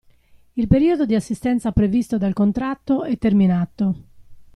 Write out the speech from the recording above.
Il periodo di assistenza previsto dal contratto è terminato.